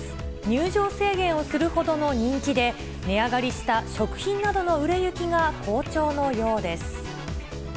入場制限をするほどの人気で、値上がりした食品などの売れ行きが好調のようです。